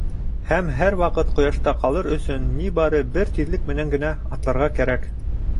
Һәм һәр ваҡыт ҡояшта ҡалыр өсөн ни бары бер тиҙлек менән генә атларға кәрәк.